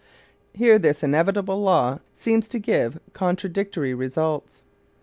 Here this inevitable law seems to give contradictory results.